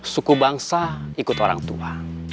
suku bangsa ikut orang tua